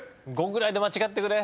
５ぐらいで間違ってくれ！